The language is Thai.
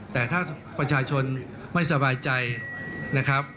แต่ถ้าประชาชนไม่สบายใจนะครับ